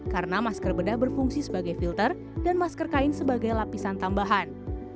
karena masker bedah berfungsi sebagai filter dan masker kain sebagai lapisan tambahan